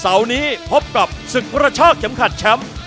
เสาร์นี้พบกับศึกกระชากเข็มขัดแชมป์